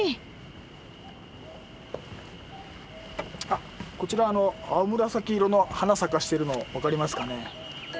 あこちらあの青紫色の花咲かしてるの分かりますかね？